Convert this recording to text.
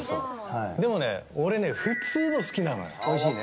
でもね、俺ね、普通の好きなおいしいね。